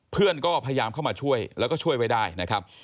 เพื่อนก็พยายามเข้ามาช่วยแล้วก็ช่วยไว้ได้นะครับ